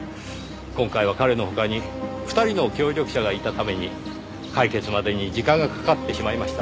今回は彼の他に２人の協力者がいたために解決までに時間がかかってしまいました。